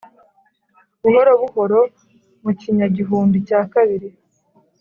buhoro buhoro mu kinyagihumbi cya kabiri,